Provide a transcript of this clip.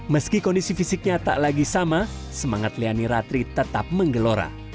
meski kondisi fisiknya tak lagi sama semangat leani ratri tetap menggelora